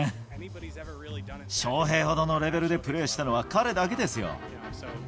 翔平ほどのレベルでプレーしたのは彼だけですよ。